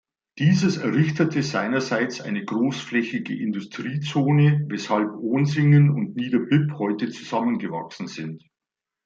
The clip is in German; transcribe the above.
Dieses errichtete seinerseits eine grossflächige Industriezone, weshalb Oensingen und Niederbipp heute zusammengewachsen sind.